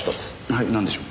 はいなんでしょう？